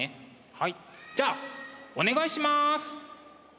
はいじゃあお願いします！